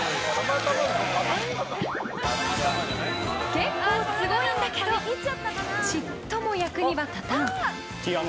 結構すごいんだけどちっとも役には立たん。